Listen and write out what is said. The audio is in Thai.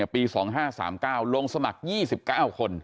ปี๒๕๓๙ลงสมัคร๒๙คน